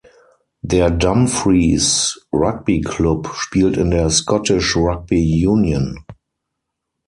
Der Dumfries Rugby Club spielt in der Scottish Rugby Union.